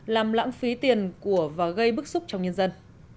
làm lãng phí tiền và gây bức xúc trong nhân dân